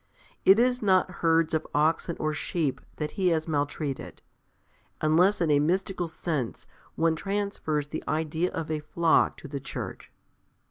It is not herds of oxen or sheep20732073 i.e.as those of Job. that he has maltreated, unless in a mystical sense one transfers the idea of a flock to the Church.